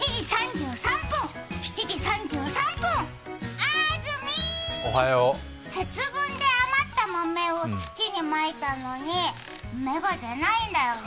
あずみ、節分で余った豆を土にまいたのに芽が出ないんだよね。